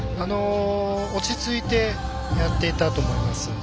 落ち着いてやっていたと思います。